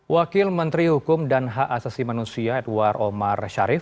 wakil menteri hukum dan hak asasi manusia edward omar sharif